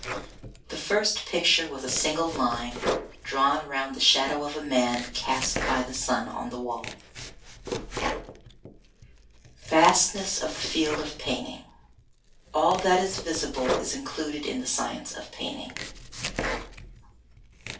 The first picture was a single line, drawn round the shadow of a man cast by the sun on the wall. 3. Vastness of the field of painting: All that is visible is included in the science of painting.